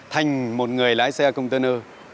thành một người lái xe công tư nư